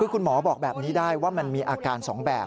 คุณหมอบอกแบบนี้ได้ว่ามันมีอาการ๒แบบ